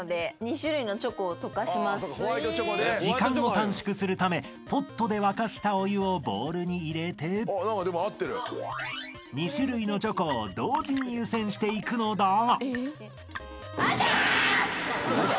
［時間を短縮するためポットで沸かしたお湯をボウルに入れて２種類のチョコを同時に湯煎していくのだが］